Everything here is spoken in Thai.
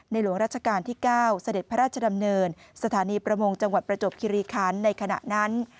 หลวงราชการที่๙เสด็จพระราชดำเนินสถานีประมงจังหวัดประจบคิริคันในขณะนั้น